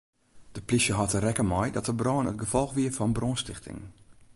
De plysje hâldt der rekken mei dat de brân it gefolch wie fan brânstichting.